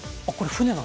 船。